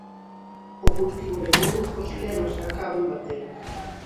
O cultivo de moluscos lévase a cabo en bateas.